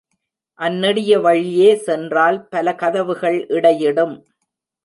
அந்நெடிய வழியே சென்றால் பல கதவுகள் இடையிடும்.